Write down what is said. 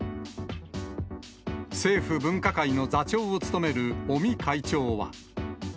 政府分科会の座長を務める尾身会長は。